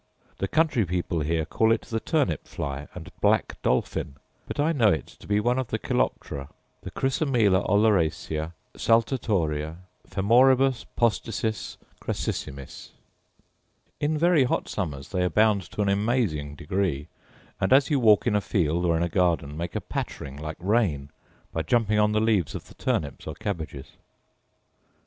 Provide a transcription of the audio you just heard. The country people here call it the turnip fly and black dolphin; but I know it to be one of the coleoptera; the 'chrysomela oleracea, saltatoria, femoribus posficis crassissimis.' In very hot summers they abound to an amazing degree, and as you walk in a field or in a garden, make a pattering like rain, by jumping on the leaves of the turnips or cabbages.